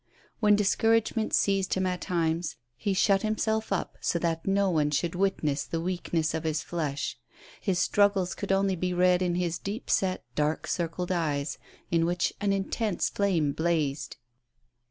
AVhen discouragement seized him at times, he shut himself up, so that no one should witness the weakness of his flesh. His struggles could only be read in his deep set, dark circled eyes, in which an intense flame blazed.